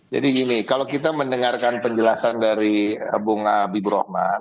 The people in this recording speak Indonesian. jadi gini kalau kita mendengarkan penjelasan dari bunga bibur rahman